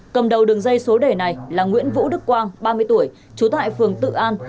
cầm đầu đường dây số đề này là nguyễn vũ đức quang ba mươi tuổi trú tại phường tự an